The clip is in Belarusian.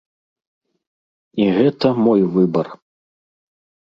І гэта мой выбар.